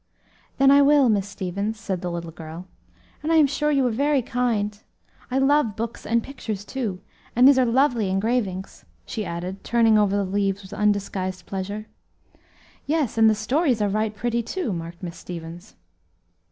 "Then I will, Miss Stevens," said the little girl, "and I am sure you are very kind. I love books and pictures, too, and these are lovely engravings," she added turning over the leaves with undisguised pleasure. "Yes, and the stories are right pretty, too," remarked Miss Stevens.